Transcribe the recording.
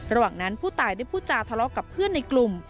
ระหว่างนั้นผู้ตายได้พูดจาทะเลาะกับเพื่อนในกลุ่ม